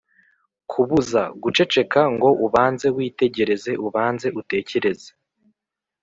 . Kubuza: Guceceka ngo ubanze witegereze, ubanze utekereze.